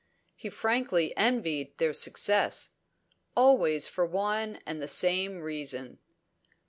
He frankly envied their success always for one and the same reason.